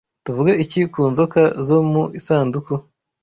Tuvuge iki ku nzoka zo mu isanduku?